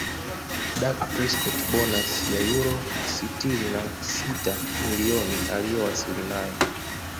Dak Prescot Bonasi ya uro sitini na sita milioni aliyowasili nayo